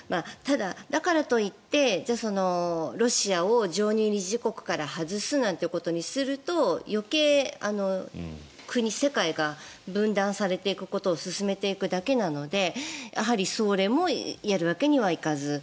ただ、だからといってロシアを常任理事国から外すなんてことにすると余計に国、世界が分断されていくことを進めていくだけなのでそれもやるわけにはいかず。